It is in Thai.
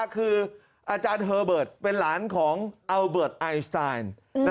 คืออาจารย์เฮอร์เบิร์ตเป็นหลานของอัลเบิร์ตไอสไตล์